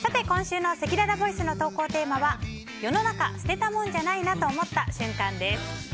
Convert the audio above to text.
今週のせきららボイスの投稿テーマは世の中捨てたもんじゃないな！と思った瞬間です。